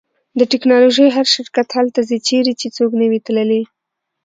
د ټیکنالوژۍ هر شرکت هلته ځي چیرې چې څوک نه وي تللی